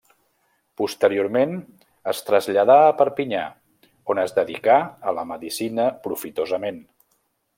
Posteriorment es traslladà a Perpinyà, on es dedicà a la medicina profitosament.